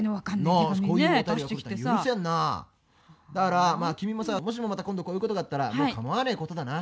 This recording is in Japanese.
だから君もさもしもまた今度こういうことがあったらもう構わねえことだな。